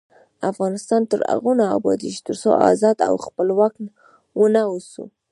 افغانستان تر هغو نه ابادیږي، ترڅو ازاد او خپلواک ونه اوسو.